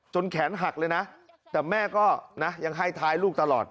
แขนหักเลยนะแต่แม่ก็นะยังให้ท้ายลูกตลอด